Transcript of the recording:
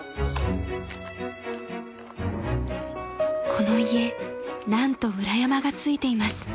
［この家何と裏山がついています］